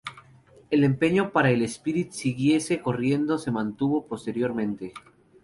El empeño para que el "Spirit" siguiese corriendo se mantuvo posteriormente.